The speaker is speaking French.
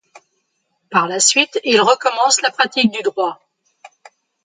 Par la suite, il recommence la pratique du droit.